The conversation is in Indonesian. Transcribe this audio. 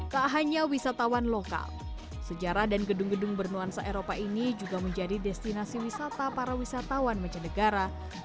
tak hanya wisatawan lokal sejarah dan gedung gedung bernuansa eropa ini juga menjadi destinasi wisata para wisatawan mancanegara